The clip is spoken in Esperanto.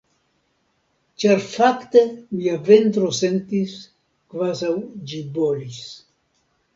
Ĉar fakte mia ventro sentis kvazaŭ ĝi bolis.